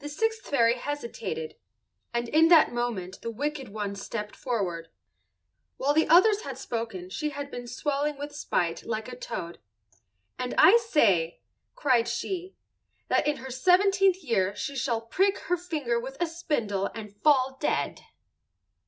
The sixth fairy hesitated, and in that moment the wicked one stepped forward. While the others had spoken she had been swelling with spite like a toad. "And I say," cried she, "that in her seventeenth year she shall prick her finger with a spindle and fall dead."